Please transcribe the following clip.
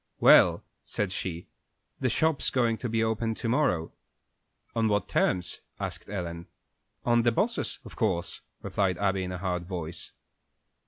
"Well," said she, "the shop's going to be opened to morrow." "On what terms?" asked Ellen. "On the boss's, of course," replied Abby, in a hard voice.